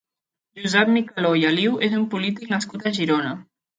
Josep Micaló i Aliu és un polític nascut a Girona.